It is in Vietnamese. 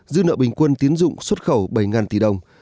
dư nợ bình quân tiến dụng xuất khẩu bảy tỷ đồng